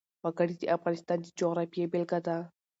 وګړي د افغانستان د جغرافیې بېلګه ده.